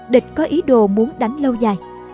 địch có ý đồ muốn đánh lâu dài